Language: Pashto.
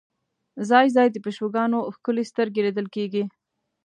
ځای ځای د پیشوګانو ښکلې سترګې لیدل کېږي.